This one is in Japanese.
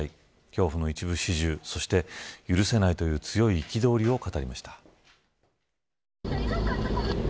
恐怖の一部始終、そして許せないという強い憤りを語りました。